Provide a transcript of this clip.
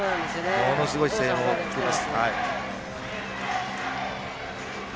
ものすごい声援を送っています。